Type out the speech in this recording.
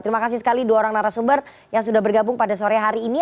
terima kasih sekali dua orang narasumber yang sudah bergabung pada sore hari ini